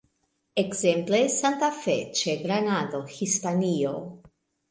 Ekzemple Santa Fe ĉe Granado, Hispanio.